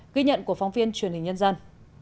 ghi nhận của phóng viên truyền hình nhân dân